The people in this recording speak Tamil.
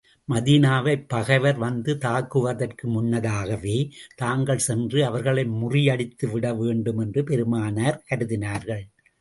மதீனாவைப் பகைவர் வந்து தாக்குவதற்கு முன்னதாகவே தாங்கள் சென்று அவர்களை முறியடித்து விட வேண்டும் என்று பெருமானார் கருதினார்கள்.